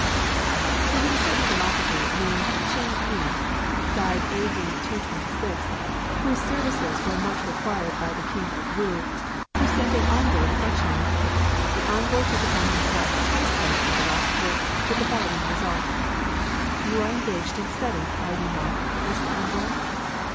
There was a certain philosopher, of W"^*" named Ch'in Mi {died a.d. 226), whose services were much required by the King of Wu, who sent an envoy to fetch him. The envoy took upon himself to catechise the philosopher, with the following result :—" You are engaged in study, are you not ?" asked the envoy.